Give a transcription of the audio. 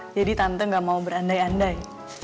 jadi tante gak mau berandai andai